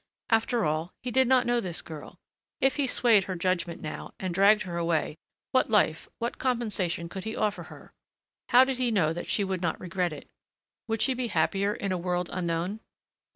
After all, he did not know this girl. If he swayed her judgment now, and dragged her away, what life, what compensation could he offer her? How did he know that she would not regret it? Would she be happier in a world unknown?....